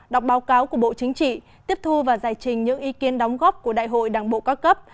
đọc báo cáo của bộ chính trị tiếp thu và giải trình những ý kiến đóng góp của đại hội đảng bộ cao cấp